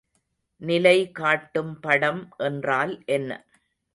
நிலைகாட்டும் படம் என்றால் என்ன?